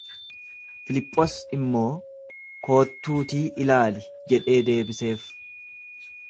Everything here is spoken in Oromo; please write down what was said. Filiphos immoo, Kottuutii ilaali jedhee deebiseef.